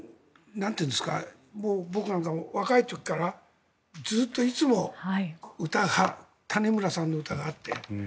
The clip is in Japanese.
僕なんかも、若い時からずっといつも谷村さんの歌があって。